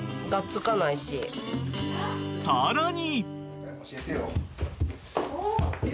［さらに］